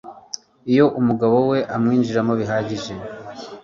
iyo umugabo we amwinjiramo bihagije